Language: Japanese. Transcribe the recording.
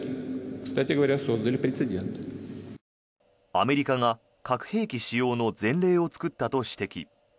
アメリカが核兵器使用の前例を作ったと指摘。